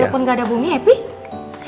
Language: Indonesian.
walaupun gak ada bumi happy